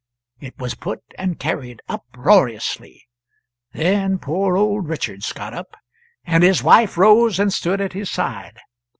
It was put and carried uproariously. Then poor old Richards got up, and his wife rose and stood at his side.